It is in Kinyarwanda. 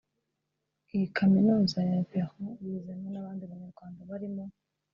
Iyi kaminuza ya Vermont yizemo n’abandi Banyarwanda barimo